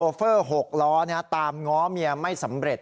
เฟอร์๖ล้อตามง้อเมียไม่สำเร็จ